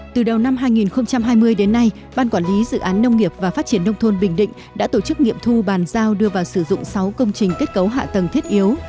từ đầu năm hai nghìn hai mươi đến nay ban quản lý dự án nông nghiệp và phát triển nông thôn bình định đã tổ chức nghiệm thu bàn giao đưa vào sử dụng sáu công trình kết cấu hạ tầng thiết yếu